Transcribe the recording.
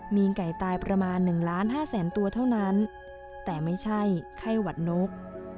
มีไก่ตายประมาณ๑ล้านห้าแสนตัวเท่านั้นแต่ไม่ใช่ไข้หวัดนก